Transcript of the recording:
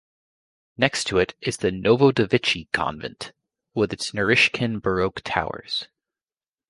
Next to it is the Novodevichy Convent, with its Naryshkin Baroque towers.